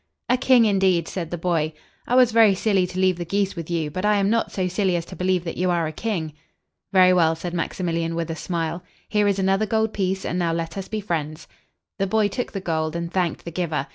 "A king, indeed!" said the boy. "I was very silly to leave the geese with you. But I am not so silly as to believe that you are a king." "Very well," said Maximilian, with a smile; "here is another gold piece, and now let us be friends." The boy took the gold, and thanked the giver.